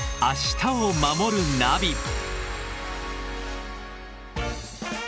「明日をまもるナビ」